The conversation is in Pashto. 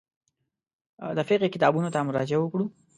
د فقهي کتابونو ته مراجعه وکړو.